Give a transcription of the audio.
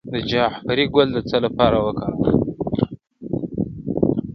د جعفری ګل د څه لپاره وکاروم؟